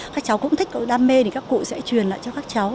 các cháu cũng thích có đam mê thì các cụ sẽ truyền lại cho các cháu